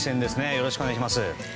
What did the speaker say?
よろしくお願いします。